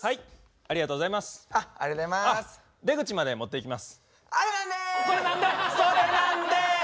ありがとうございます！